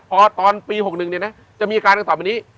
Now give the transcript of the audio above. พอตอนปี๖๑เนี่ยนะจะมีอาการดังต่อไปนี้